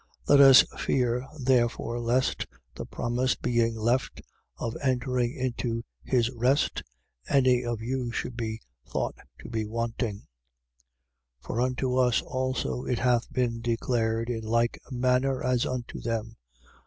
4:1. Let us fear therefore lest, the promise being left of entering into his rest, any of you should be thought to be wanting. 4:2. For unto us also it hath been declared in like manner as unto them.